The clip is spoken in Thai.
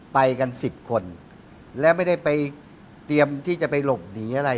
ไปกันสิบคนและไม่ได้ไปเตรียมที่จะไปหลบหนีอะไร